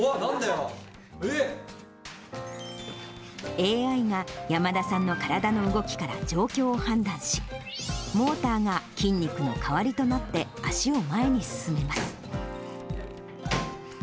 ＡＩが山田さんの体の動きから状況を判断し、モーターが筋肉の代わりとなって足を前へ進めます。